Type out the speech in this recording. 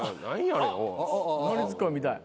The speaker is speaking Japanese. ノリツッコミ見たい。